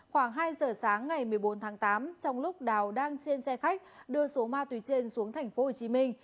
khoảng hai giờ sáng ngày một mươi bốn tháng tám trong lúc đào đang trên xe khách đưa số ma túy trên xuống thành phố hồ chí minh